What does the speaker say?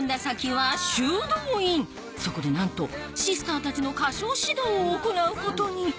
そこでなんとシスターたちの歌唱指導を行うことに